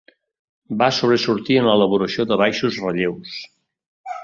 Va sobresortir en l'elaboració de baixos relleus.